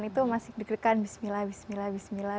itu masih dikirikan bismillah bismillah bismillah